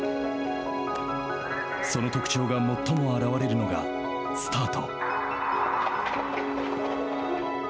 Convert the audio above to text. その特徴が最も表れるのがスタート。